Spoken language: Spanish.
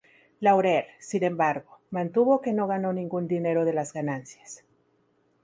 Laurer, sin embargo, mantuvo que no ganó ningún dinero de las ganancias.